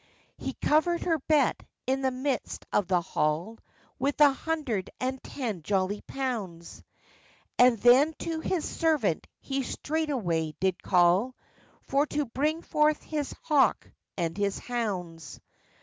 He covered her bet in the midst of the hall, With a hundred and ten jolly pounds; And then to his servant he straightway did call, For to bring forth his hawk and his hounds.